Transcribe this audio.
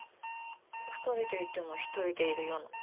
２人でいても１人でいるような。